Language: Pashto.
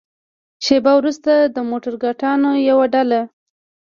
شېبه وروسته د موترګاټو يوه ډله.